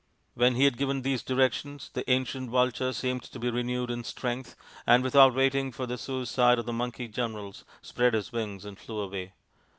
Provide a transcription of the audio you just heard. When he had given these directions the ancient vulture seemed to be renewed in strength, and without waiting for the suicide of the Monkey generals spread his wings and flew away.